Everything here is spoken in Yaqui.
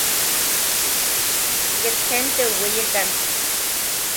Ket jenteu weyekan.